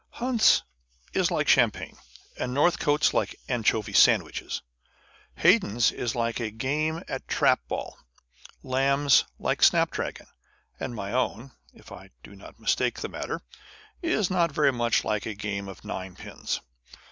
Hunt's is like champagne, and Northcote's like anchovy sandwiches. Haydon's is like a game at trap ball : Lamb's like snap dragon : and my own (if I do not mistake the matter) is not very much unlike a game at ninepins